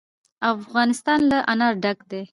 افغانستان له انار ډک دی.